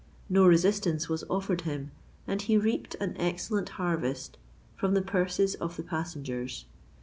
No resistance was offered him; and he reaped an excellent harvest from the purses of the passengers.